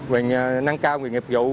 về năng cao quyền nghiệp vụ